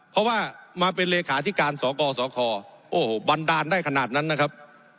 เพราะว่ามาเป็นเลขาธิการสกสคโอ้โหบันดาลได้ขนาดนั้นนะครับ